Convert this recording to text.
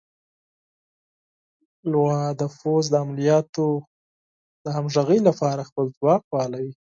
لوا د پوځ د عملیاتو د همغږۍ لپاره خپل ځواک فعالوي.